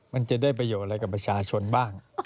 มันจะได้ประโยชน์อะไรกับประชาชนบ้าง